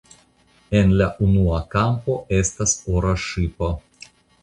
En la unua kampo estas ora ŝipo.